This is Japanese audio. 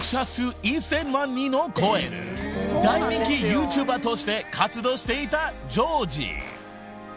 人を超える大人気ＹｏｕＴｕｂｅｒとして活動していたＪｏｊｉ］